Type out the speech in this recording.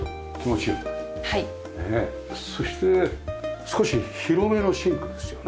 そして少し広めのシンクですよね。